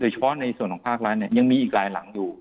เฉพาะในส่วนของภาครัฐเนี่ยยังมีอีกหลายหลังอยู่